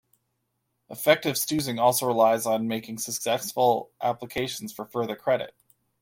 Effective stoozing also relies on making successful applications for further credit.